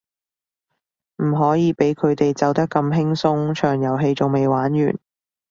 唔可以畀佢走得咁輕鬆，場遊戲仲未玩完